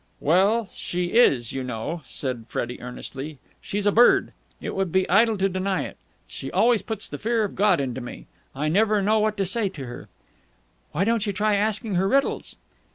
"Well, she is, you know," said Freddie earnestly. "She's a bird! It would be idle to deny it. She always puts the fear of God into me. I never know what to say to her." "Why don't you try asking her riddles?"